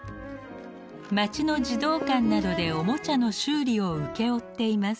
町の児童館などでおもちゃの修理を請け負っています。